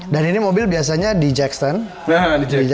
dan ini mobil biasanya di jack stand